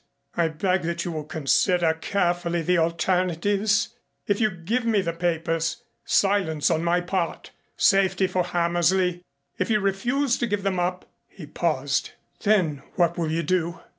"I beg that you will consider carefully the alternatives. If you give me the papers silence on my part safety for Hammersley. If you refuse to give them up " he paused. "Then what will you do?"